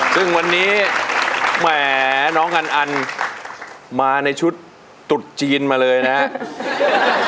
ซึ่งวันนี้แหมน้องอันอันมาในชุดตุดจีนมาเลยนะครับ